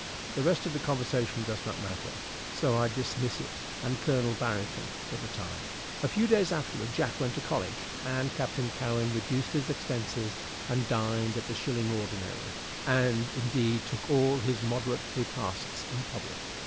The rest of the conversation does not matter, so I dismiss it and Colonel Barrington for the time. A few days afterward Jack went to college, and Captain Cowen reduced his expenses, and dined at the shilling ordinary, and, indeed, took all his moderate repasts in public.